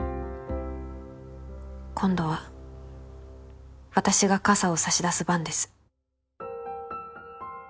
「今度は私が傘を差し出す番です」